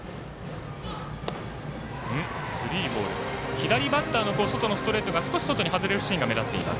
左バッターの外のストレートが少し外に外れるシーンが目立っています。